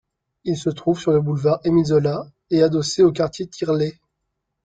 Il se trouve sur le boulevard Emile Zola et adossé au quartier Tirlet.